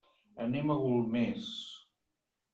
Anem a Golmés.